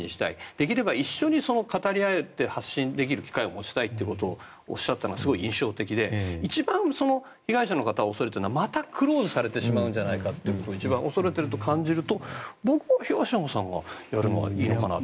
できれば一緒に語り合えて発信できる機会を持ちたいということをおっしゃたのがすごい印象的で一番被害者の方が恐れているのはまたクローズされてしまうんじゃないかということを一番恐れていると感じると僕は東山さんがやればいいのかなと。